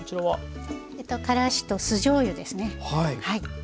はい。